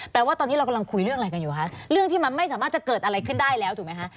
แปลว่าตอนนี้เรากำลังคุยเรื่องอะไรกันอยู่คะเรื่องที่มันไม่สามารถจะเกิดอะไรขึ้นได้แล้วถูกไหมคะ